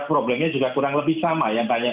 problemnya juga kurang lebih sama yang banyak